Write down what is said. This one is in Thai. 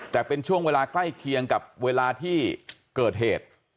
แต่เป็นช่วงเวลาใกล้เคียงกับเวลาที่เกิดเหตุ